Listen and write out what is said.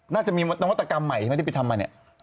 น่าจะมีนวัตกรรมใหม่ที่ไม่ได้ไปทำมานี่